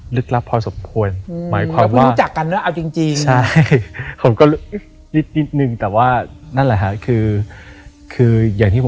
ด้วยอ่ะ